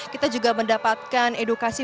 kita juga mendapatkan edukasi